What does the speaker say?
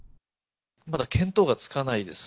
まだ見当がつかないです。